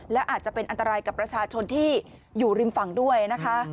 และอาจจะเป็นอันตรายกับประชาชนที่อยู่ริมฝั่งด้วยนะคะ